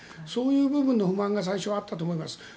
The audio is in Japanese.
そういう部分の不満が最初はあったと思います。